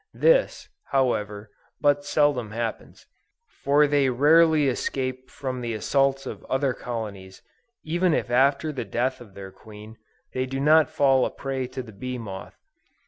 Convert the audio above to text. This, however, but seldom happens: for they rarely escape from the assaults of other colonies, even if after the death of their queen, they do not fall a prey to the bee moth.